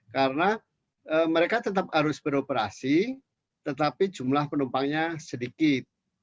karena mereka tetap harus beroperasi tetapi jumlah penumpangnya sedikit